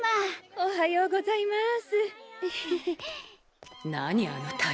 おはようございます。